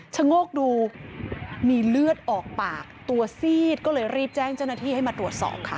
โงกดูมีเลือดออกปากตัวซีดก็เลยรีบแจ้งเจ้าหน้าที่ให้มาตรวจสอบค่ะ